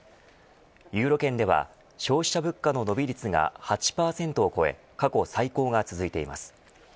ユーロ圏では消費者物価の伸び率が８％を超え過去最高が続いています。